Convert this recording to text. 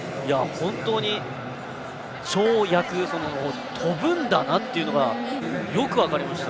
本当に跳躍跳ぶんだなっていうのがよく分かりました。